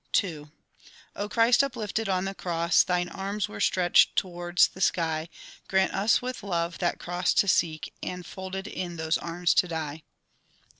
II O Christ, uplifted on the Cross! Thine arms were stretched towards the sky; Grant us with love that Cross to seek, And folded in those arms to die.